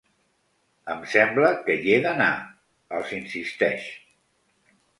Em sembla que hi he d’anar, els insisteix.